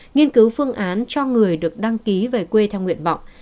nghiên cứu phương án cho người được đăng ký về quê theo nguyện vọng